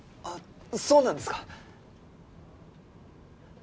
あっそうなんですか。